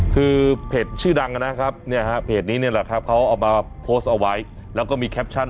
เขาเอามาโพสเอาไว้แล้วก็มีแคปชั่น